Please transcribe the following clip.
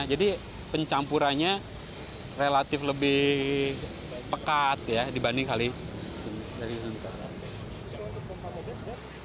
jadi pencampurannya relatif lebih pekat ya dibanding kalisuntar